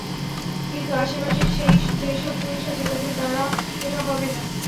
কিন্তু আসে পাশে যেই সব পুলিশ আছে, তাদের দারা এটা হবে না।